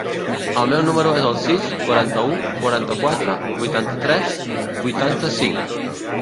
El meu número es el sis, quaranta-u, quaranta-quatre, vuitanta-tres, vuitanta-cinc.